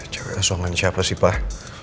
cewek asongan siapa sih pak